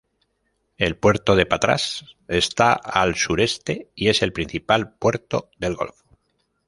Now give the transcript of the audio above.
El puerto de Patras está al sureste y es el principal puerto del golfo.